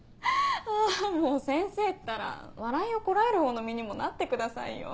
あぁもう先生ったら笑いをこらえるほうの身にもなってくださいよ。